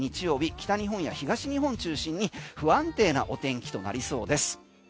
北日本や東日本を中心に不安定なお天気となりそうです。